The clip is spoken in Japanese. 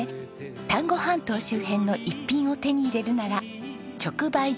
丹後半島周辺の逸品を手に入れるなら直売所